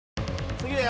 次だよ。